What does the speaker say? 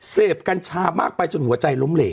กัญชามากไปจนหัวใจล้มเหลว